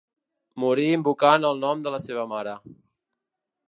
Morí invocant el nom de la seva mare.